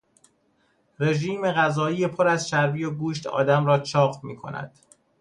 رژیم غذایی پر از چربی و گوشت آدم را چاق میکند.